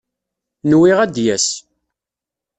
Nwiɣ ad d-yas.